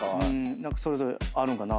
何かそれぞれあるのかな？